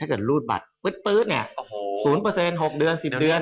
เกิดรูดบัตรปื๊ดเนี่ย๐๖เดือน๑๐เดือน